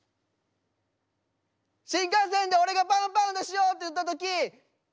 新幹線で俺が「パンぱんだ」しようって言った時。